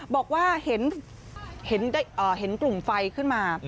บอกว่าเห็นกลุ่มไฟขึ้นมา